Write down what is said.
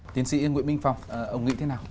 tiến sĩ nguyễn minh phong ông nghĩ thế nào